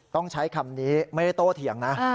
ต้องใช้คำนี้ไม่ได้โตเถียงนะ